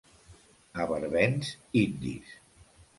A Barbens, indis.